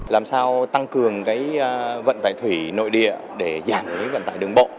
làm sao tăng cường cái vận tải thủy nội địa để giảm cái vận tải đường bộ